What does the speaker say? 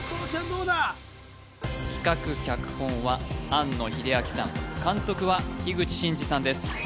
どうだ企画・脚本は庵野秀明さん監督は樋口真嗣さんです